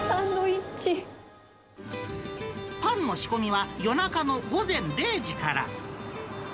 パンの仕込みは夜中の午前０時から。